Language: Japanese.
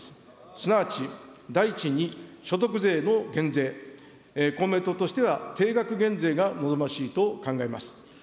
すなわち、第１に所得税の減税、公明党としては定額減税が望ましいと考えます。